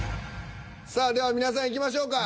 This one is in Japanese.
さあでは皆さんいきましょうか。